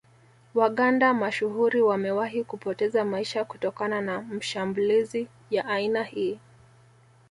Waganda mashuhuri wamewahi kupoteza maisha kutokana na mashmbulizi ya aina hii